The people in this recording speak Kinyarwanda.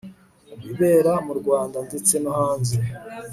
ku bibera mu rwanda ndetse no hanze